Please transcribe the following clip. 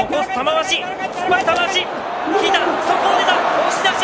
押し出し。